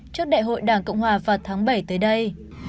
trước đại hội đảng cộng hòa vào tháng bảy tới đây